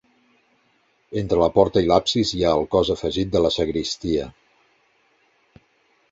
Entre la porta i l'absis hi ha el cos afegit de la sagristia.